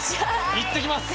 行ってきます！